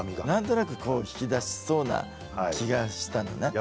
なんとなく引き出せそうな気がしたの。